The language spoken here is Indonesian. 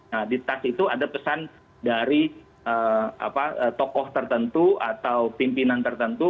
nah di tas itu ada pesan dari tokoh tertentu atau pimpinan tertentu